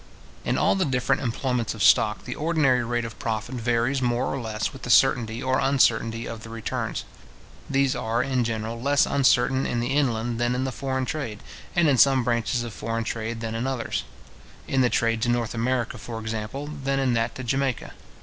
In all the different employments of stock, the ordinary rate of profit varies more or less with the certainty or uncertainty of the returns. These are, in general, less uncertain in the inland than in the foreign trade, and in some branches of foreign trade than in others; in the trade to North America, for example, than in that to Jamaica.